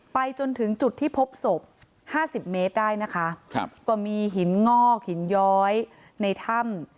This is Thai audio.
ไปจนถึงจุดที่พบศพห้าสิบเมตรได้นะคะครับก็มีหินงอกหินย้อยในถ้ำ